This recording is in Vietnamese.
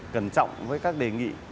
cẩn trọng với các đề nghị